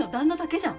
じゃん